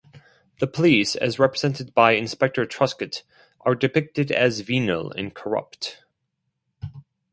The police, as represented by Inspector Truscott, are depicted as venal and corrupt.